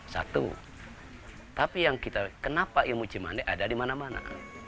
satu tapi yang kita kenapa ilmu cimande ada di mana mana